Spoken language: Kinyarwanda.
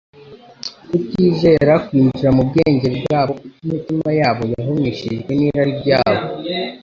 Kutizera kwinjira mu bwenge bwabo kuko imitima yabo yari yahumishijwe n'irari ryabo.